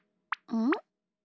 ん？